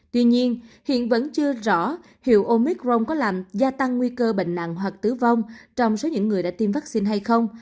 tuy nhiên hiện vẫn chưa rõ hiệu omicron có làm gia tăng nguy cơ bệnh nặng hoặc tử vong trong số những người đã tiêm vaccine hay không